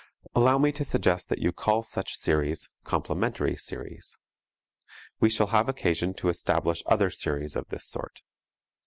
Allow me to suggest that you call such series complementary series. We shall have occasion to establish other series of this sort.